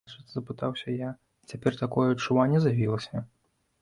Значыць, запытаўся я, цяпер такое адчуванне з'явілася?